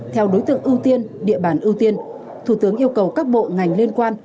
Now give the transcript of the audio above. theo đối tượng ưu tiên địa bàn ưu tiên thủ tướng yêu cầu các bộ ngành liên quan